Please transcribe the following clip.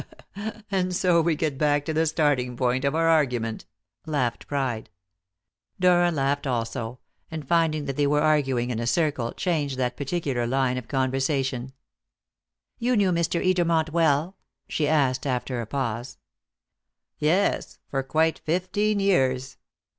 "And so we get back to the starting point of our argument!" laughed Pride. Dora laughed also; and, finding that they were arguing in a circle, changed that particular line of conversation. "You knew Mr. Edermont well?" she asked, after a pause. "Yes for quite fifteen years.